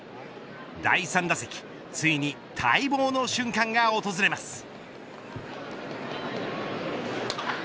第３打席ついに待望の瞬間が訪れます。